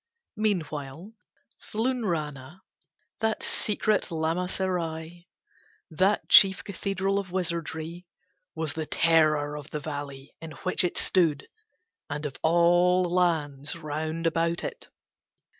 Meanwhile Thlunrana, that secret lamaserai, that chief cathedral of wizardry, was the terror of the valley in which it stood and of all lands round about it.